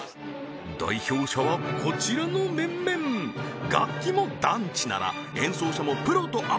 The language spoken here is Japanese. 代表者はこちらの面々楽器もダンチなら演奏者もプロとアマ